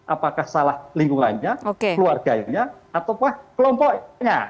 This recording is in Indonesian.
apakah salah lingkungannya keluarganya atau kelompoknya